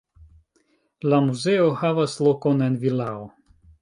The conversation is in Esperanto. La muzeo havas lokon en vilao.